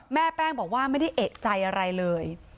แม่แป้งบอกว่าไม่ได้เอกใจอะไรเลย